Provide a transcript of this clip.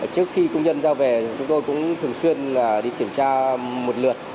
trước khi công nhân ra về chúng tôi cũng thường xuyên đi kiểm tra một lượt